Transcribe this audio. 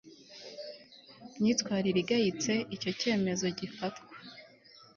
myitwarire igayitse Icyo cyemezo gifatwa